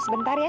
bu sebentar ya